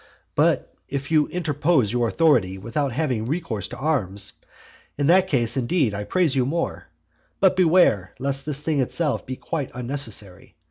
But if you interpose your authority without having recourse to arms, in that case indeed I praise you more; but beware lest this thing itself be quite unnecessary.